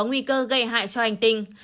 nguy cơ gây hại cho hành tinh